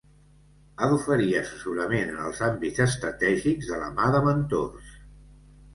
Ha d'oferir assessorament en els àmbits estratègics, de la mà de mentors.